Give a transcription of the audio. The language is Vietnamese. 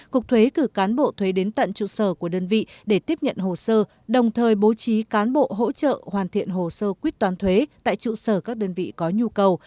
cục thuế cử cán bộ thuế đến tận trụ sở của đơn vị để tiếp nhận hồ sơ đồng thời bố trí cán bộ hỗ trợ hoàn thiện hồ sơ quyết toán thuế tại trụ sở các đơn vị có nhu cầu